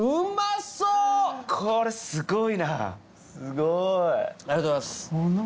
すごい。